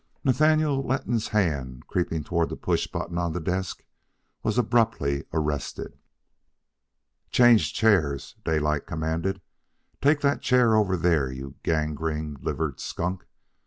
Nathaniel Letton's hand, creeping toward the push button on the desk, was abruptly arrested. "Change chairs," Daylight commanded. "Take that chair over there, you gangrene livered skunk.